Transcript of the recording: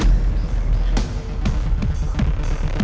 gue kita kok lo bete sekalian